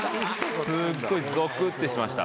スゴいゾクってしました。